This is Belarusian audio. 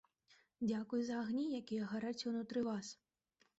Дзякуй за агні, якія гараць унутры вас!